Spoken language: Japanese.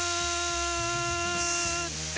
って